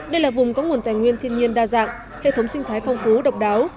đây là vùng có nguồn tài nguyên thiên nhiên đa dạng hệ thống sinh thái phong phú độc đáo